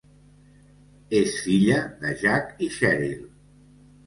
És filla de Jack i Cheryl.